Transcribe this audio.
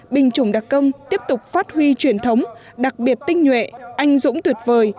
binh chủng đặc công tiếp tục phát huy truyền thống đặc biệt tinh nhuệ anh dũng tuyệt vời